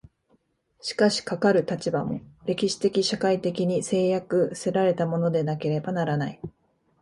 しかしかかる立場も、歴史的社会的に制約せられたものでなければならない。